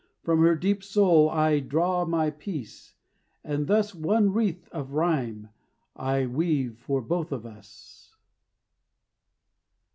From her deep soul I draw my peace, and thus, One wreath of rhyme I weave for both of us.